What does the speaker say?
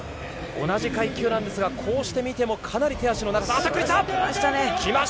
同じ階級なんですが、こうして見てもかなり手足の長さが違います。